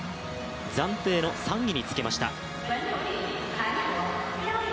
暫定の３位につけました。